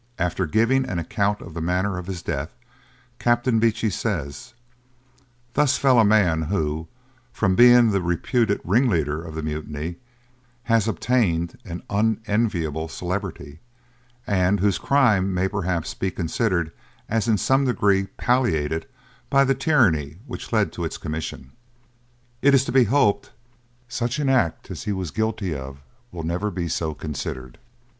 After giving an account of the manner of his death, Captain Beechey says, 'Thus fell a man who, from being the reputed ringleader of the mutiny, has obtained an unenviable celebrity, and whose crime may perhaps be considered as in some degree palliated by the tyranny which led to its commission.' It is to be hoped, such an act as he was guilty of will never be so considered.